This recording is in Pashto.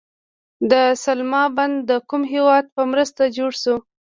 د سلما بند د کوم هیواد په مرسته جوړ شو؟